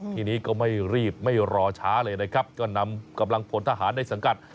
ทีนี้ก็ไม่รีบไม่รอช้าเลยนะครับก็นำกำลังพลทหารในสังกัด